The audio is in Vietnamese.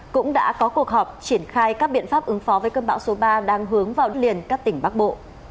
cũng đã có cuộc họp triển khai các biện pháp ứng phó với cơn bão số ba đang hướng vào đất liền các tỉnh bắc bộ